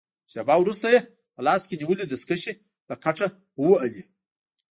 شېبه وروسته يې په لاس کې نیولې دستکشې له کټه ووهلې.